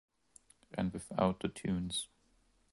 And without the tunes.